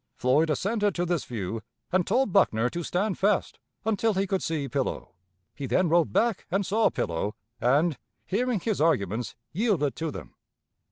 Floyd assented to this view, and told Buckner to stand fast until he could see Pillow. He then rode back and saw Pillow, and, hearing his arguments, yielded to them.